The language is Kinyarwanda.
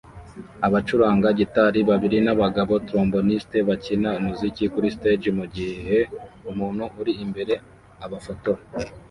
Abacuranga gitari babiri nabagabo tromboniste bakina umuziki kuri stage mugihe umuntu uri imbere abafotora